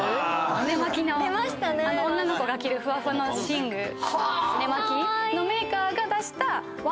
女の子が着るふわふわの寝具寝間着のメーカーが出した。